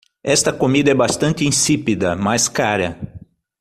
Esta comida é bastante insípida, mas cara.